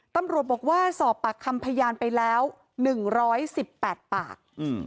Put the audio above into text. ตำรวจบอกว่าสอบปากคำพยานไปแล้วหนึ่งร้อยสิบแปดปาก